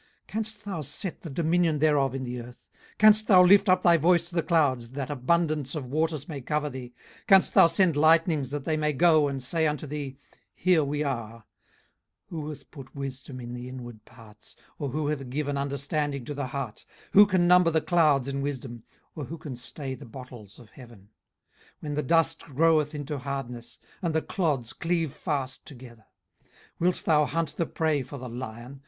canst thou set the dominion thereof in the earth? 18:038:034 Canst thou lift up thy voice to the clouds, that abundance of waters may cover thee? 18:038:035 Canst thou send lightnings, that they may go and say unto thee, Here we are? 18:038:036 Who hath put wisdom in the inward parts? or who hath given understanding to the heart? 18:038:037 Who can number the clouds in wisdom? or who can stay the bottles of heaven, 18:038:038 When the dust groweth into hardness, and the clods cleave fast together? 18:038:039 Wilt thou hunt the prey for the lion?